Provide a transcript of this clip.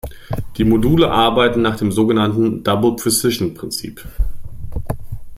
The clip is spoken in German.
Die Module arbeiten nach dem so genannten “double-precision”-Prinzip.